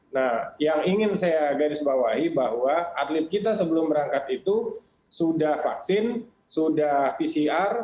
nah yang ingin saya garis bawahi bahwa atlet kita sebelum berangkat itu sudah vaksin sudah pcr